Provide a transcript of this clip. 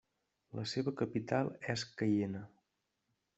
La seva capital és Caiena.